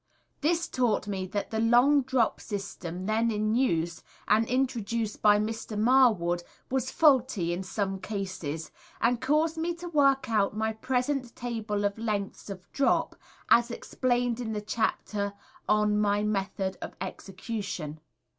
This taught me that the long drop system then in use, and introduced by Mr. Marwood, was faulty in some cases, and caused me to work out my present table of lengths of drop, as explained in the chapter on "My Method of Execution."